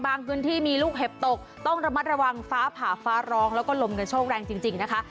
พื้นที่มีลูกเห็บตกต้องระมัดระวังฟ้าผ่าฟ้าร้องแล้วก็ลมกระโชคแรงจริงนะคะ